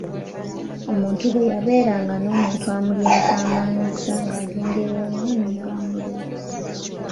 Omuntu bwe yabeeranga n’omuntu amulyazaamaanyizza ng’agenda ew’omwami ng’amuloopa.